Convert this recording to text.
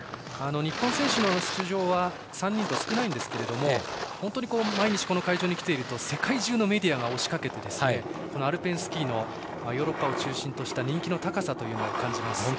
日本選手の出場は３人と少ないんですけど毎日、この会場に来ていると世界中のメディアが押しかけてアルペンスキーのヨーロッパを中心とした人気の高さを感じます。